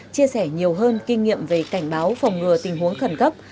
chia sẻ nhiều hơn kinh nghiệm về cảnh báo phòng ngừa tình huống khẩn cấp